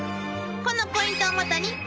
［このポイントを基に］